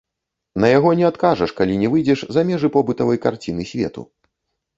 На яго не адкажаш, калі не выйдзеш за межы побытавай карціны свету.